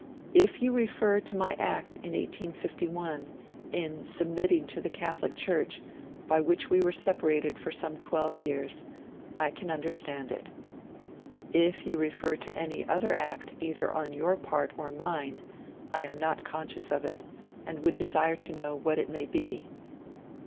'If you refer to my act in 1851 in submitting to the Catholic Church, by which we were separated for some twelve years, I can understand it. 'If you refer to any other act either on your part or mine I am not conscious of it, and would desire to know what it may be.